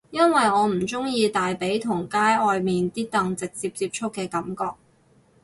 因為我唔鍾意大髀同街外面啲凳直接接觸嘅感覺